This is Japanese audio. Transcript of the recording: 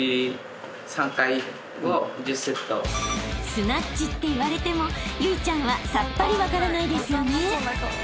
［スナッチって言われても有以ちゃんはさっぱり分からないですよね］